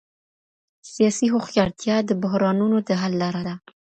سياسي هوښيارتيا د بحرانونو د حل لاره ده.